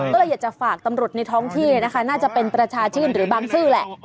ก็เลยอยากจะฝากตำรวจในท้องที่นะคะน่าจะเป็นประชาชื่นหรือบางซื่อแหละ